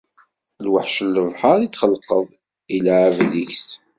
Lweḥc n lebḥer i d-txelqeḍ, ileɛɛeb deg-s.